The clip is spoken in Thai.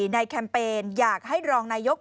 แคมเปญอยากให้รองนายก